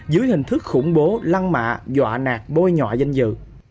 dưới hình thức khủng bố lăng mạ dọa nạt bôi nhọa danh dự